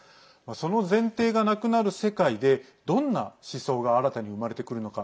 その前提がなくなる世界でどんな思想が新たに生まれてくるのか